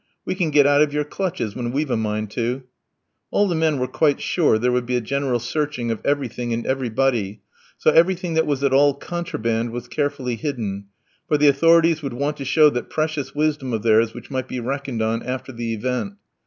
We can get out of your clutches when we've a mind to." All the men were quite sure there would be a general searching of everything and everybody; so everything that was at all contraband was carefully hidden; for the authorities would want to show that precious wisdom of theirs which may be reckoned on after the event.